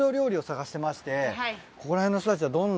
ここら辺の人たちはどんな。